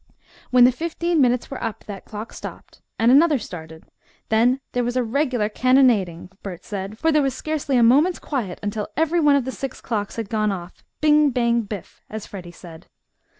When the fifteen minutes were up that clock stopped, and another started. Then there was a regularly cannonading, Bert said, for there was scarcely a moment's quiet until every one of the six clocks had gone off "bing, bang, biff," as Freddie said.